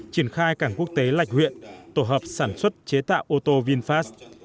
triển khai cảng quốc tế lạch huyện tổ hợp sản xuất chế tạo ô tô vinfast